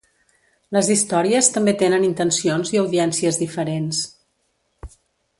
Les històries també tenen intencions i audiències diferents.